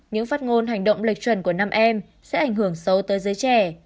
những phát ngôn hành động lệch chuẩn của nam em sẽ ảnh hưởng sâu tới giới trẻ